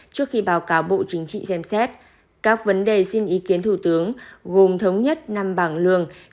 trước khi báo cáo bộ chính trị xem xét các vấn đề xin ý kiến thủ tướng gồm thống nhất năm bảng lương